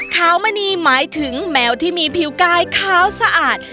ขาวมณีหมายถึงแมวที่มีผิวกายขาวสะอาด